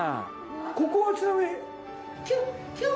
ここはちなみに。